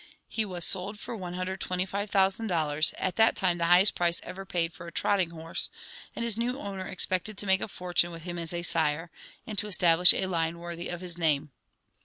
He was sold for $125,000, at that time the highest price ever paid for a trotting horse, and his new owner expected to make a fortune with him as a sire, and to establish a line worthy of his name.